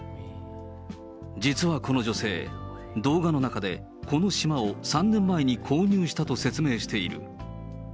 実はこの女性、動画の中で、この島を３年前に購入したと説明している。